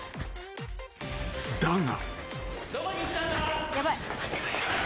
［だが］